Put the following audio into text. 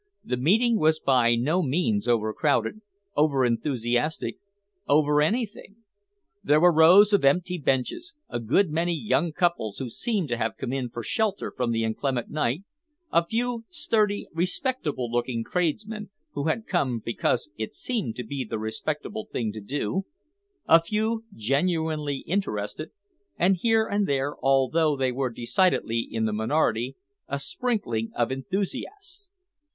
The meeting was by no means overcrowded, over enthusiastic, over anything. There were rows of empty benches, a good many young couples who seemed to have come in for shelter from the inclement night, a few sturdy, respectable looking tradesmen who had come because it seemed to be the respectable thing to do, a few genuinely interested, and here and there, although they were decidedly in the minority, a sprinkling of enthusiasts.